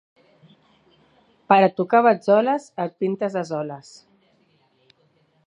Per a tocar batzoles, et pintes a soles.